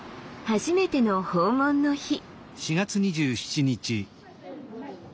初めての訪問の日。